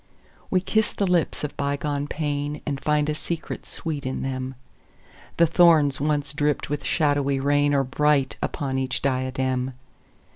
We kiss the lips of bygone painAnd find a secret sweet in them:The thorns once dripped with shadowy rainAre bright upon each diadem.